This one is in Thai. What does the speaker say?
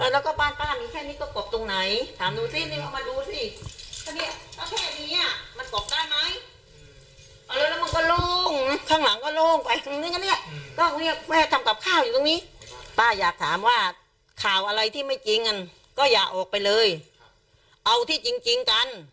แล้วก็บ้านป้ามีแค่นี้ก็กบตรงไหน